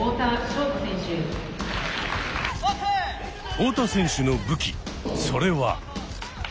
太田選手の武器それは。